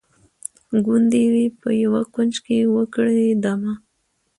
ګوندي وي په یوه کونج کي وکړي دمه